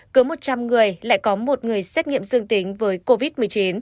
cứ một trăm linh người lại có một người xét nghiệm dương tính với covid một mươi chín